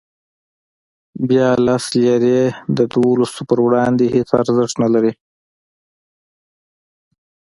بیا لس لیرې د دولسو په وړاندې هېڅ ارزښت نه لري.